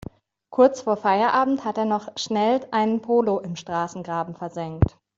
Kurz vor Feierabend hat er noch schnell einen Polo im Straßengraben versenkt.